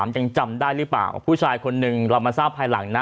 ยังจำได้หรือเปล่าผู้ชายคนหนึ่งเรามาทราบภายหลังนะ